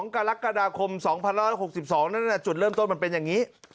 กรกฎาคม๒๑๖๒นั่นแหละจุดเริ่มต้นมันเป็นอย่างนี้